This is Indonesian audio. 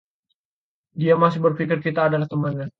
Dia masih berpikir kita adalah temannya.